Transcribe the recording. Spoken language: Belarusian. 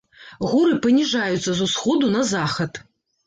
Горы паніжаюцца з усходу на захад.